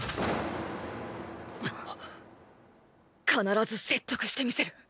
必ず説得してみせる！